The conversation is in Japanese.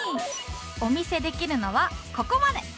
お見せできるのはここまで